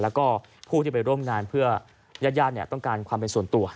แล้วก็ผู้ที่ไปร่วมงานเพื่อญาติญาติต้องการความเป็นส่วนตัว